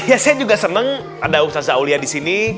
eh ya saya juga seneng ada ustadz aulia di sini